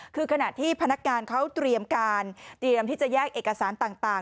คือขณะที่พนักงานเขาเตรียมการเตรียมที่จะแยกเอกสารต่าง